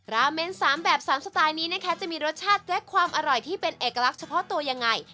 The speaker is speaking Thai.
ราเมน๓แบบ๓สไตล์นี้นะคะจะมีรสชาติและความอร่อยที่เป็นเอกลักษณ์เฉพาะตัวยังไง